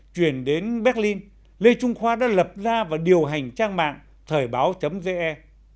chuyển đến berlin lê trung khoa đã lập ra và điều hành trang mạng thời báo ge